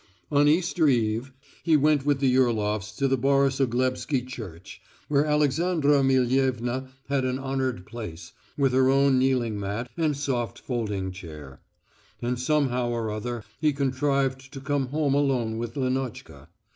On Easter Eve he went with the Yurlofs to Borisoglebsky Church, where Alexandra Millievna had an honoured place, with her own kneeling mat and soft folding chair. And somehow or other he contrived to come home alone with Lenotchka.